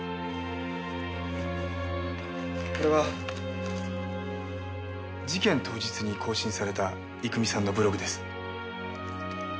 これは事件当日に更新された郁美さんのブログです。